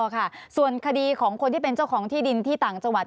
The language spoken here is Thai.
ค่ะส่วนคดีของคนที่เป็นเจ้าของที่ดินที่ต่างจังหวัด